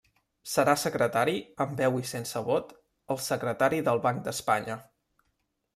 Serà Secretari, amb veu i sense vot, el Secretari del Banc d'Espanya.